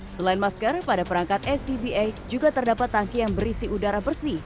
selain masker pada perangkat scba juga terdapat tangki yang berisi udara bersih